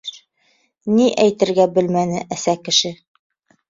Ни әйтергә белмәне әсә кеше.